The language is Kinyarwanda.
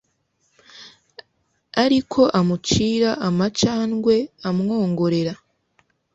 Ariko amucira amacandwe amwongorera